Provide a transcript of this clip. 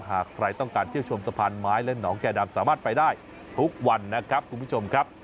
หากใครต้องการเที่ยวชมสะพานไม้และหนองแก่ดำสามารถไปได้ทุกวันนะครับคุณผู้ชมครับ